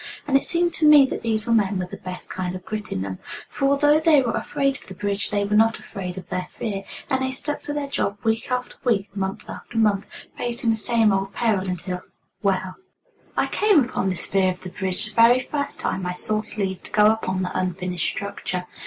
And it seemed to me that these were men with the best kind of grit in them, for although they were afraid of the bridge, they were not afraid of their fear, and they stuck to their job week after week, month after month, facing the same old peril until well I came upon this fear of the bridge the very first time I sought leave to go upon the unfinished structure.